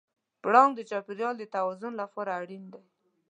پړانګ د چاپېریال د توازن لپاره اړین دی.